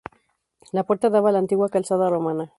La puerta daba a la antigua calzada romana.